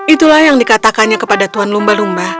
itulah yang dikatakannya kepada tuhan lumba lumba